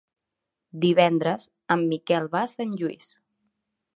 Divendres en Miquel va a Sant Lluís.